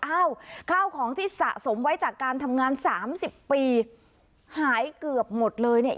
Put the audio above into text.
อ้าวข้าวของที่สะสมไว้จากการทำงานสามสิบปีหายเกือบหมดเลยเนี่ย